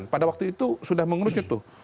pada waktu itu sudah mengerucut tuh